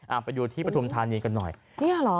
ไปดูที่ปฐุมธานีกันหน่อยเนี่ยเหรอ